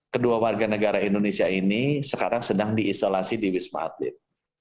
kedua warga negara indonesia ini sekarang sedang diisolasi di wisma atlet